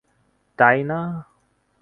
তাই, না?